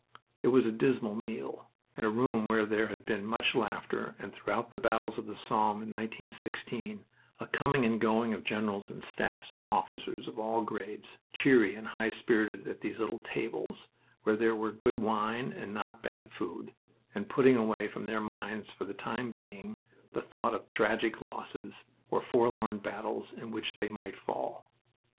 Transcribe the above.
It was a dismal meal, in a room where there had been much laughter and, throughout the battles of the Somme, in 1916, a coming and going of generals and staffs and officers of all grades, cheery and high spirited at these little tables where there were good wine and not bad food, and putting away from their minds for the time being the thought of tragic losses or forlorn battles in which they might fall.